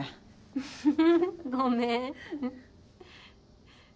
ウフフごめん。